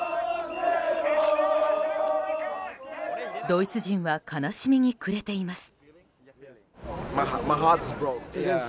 ドイツ人は悲しみに暮れています。